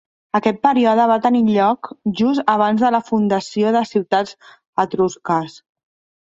Aquest període va tenir lloc just abans de la fundació de ciutats etrusques.